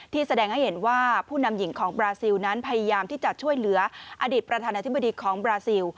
แสดงให้เห็นว่าผู้นำหญิงของบราซิลนั้นพยายามที่จะช่วยเหลืออดีตประธานาธิบดีของบราซิล